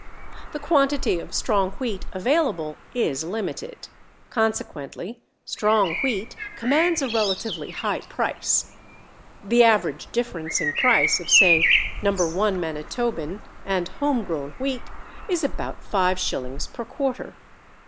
The quantity of strong wheat available is limited. Consequently strong wheat commands a relatively high price. The average difference in price of say No. 1 Manitoban and home grown wheat is about 5_s._ per quarter.